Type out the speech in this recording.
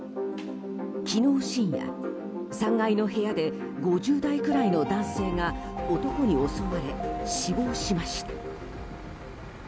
昨日深夜、３階の部屋で５０代くらいの男性が男に襲われ死亡しました。